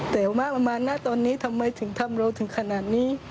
แต่ว่าประมาณหน้าตอนนี้ทำไมถึงทำเราถึงขนาดนี้